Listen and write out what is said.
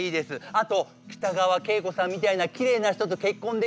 あと北川景子さんみたいなきれいな人と結婚できますように。